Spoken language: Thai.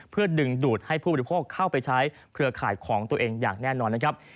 เพื่อดึงดูดให้ผู้บริโภคเข้าไปใช้เครือข่ายของตัวเองอย่างแน่นอนนะครับ